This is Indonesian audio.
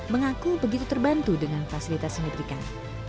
mengaku begitu terbantu dengan fasilitas yang diberikan